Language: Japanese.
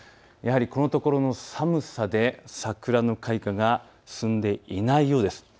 やはりこのところの寒さで桜の開花が進んでいないようです。